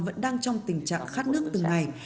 vẫn đang trong tình trạng khát nước từng ngày